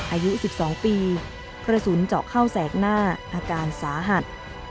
อายุ๑๒ปีกระสุนเจาะเข้าแสกหน้าอาการสาหัส